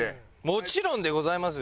もちろんでございますよ。